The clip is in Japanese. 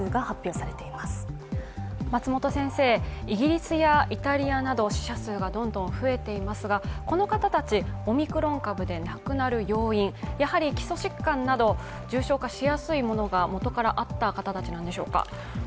イギリスやイタリアなど死者数がどんどん増えていますがこの方たちオミクロン株で亡くなる要因、やはり基礎疾患など重症化しやすいものがもとから合った方たちなんでしょうか。